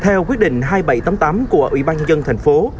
theo quyết định hai nghìn bảy trăm tám mươi tám của ủy ban nhân dân thành phố